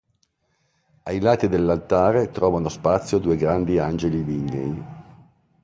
Ai lati dell'Altare trovano spazio due grandi angeli lignei.